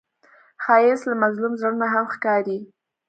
ښایست له مظلوم زړه نه هم ښکاري